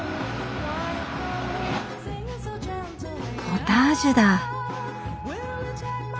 ポタージュだ！